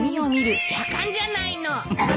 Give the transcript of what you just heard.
やかんじゃないの！